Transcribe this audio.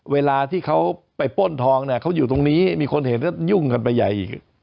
เวลาที่เขาไปป้นทองเขาอยู่ตรงนี้มีคนเห็นก็ยุ่งกันไปใหญ่